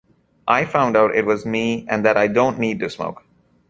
I found out it was me and that I don't need to smoke.